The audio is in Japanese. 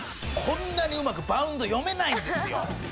こんなにうまくバウンド読めないんですよ」